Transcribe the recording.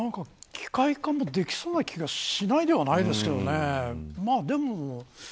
機械化もできそうな気はしないでもないですけどね。